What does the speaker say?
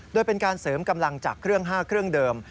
โดยเป็นการเสริมกำลังจากเครื่อง๕เครื่องเดิม